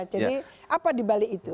jadi apa dibalik itu